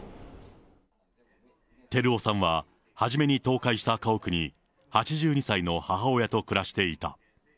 輝雄さんは初めに倒壊した家屋に８２歳の母親と暮らしていた。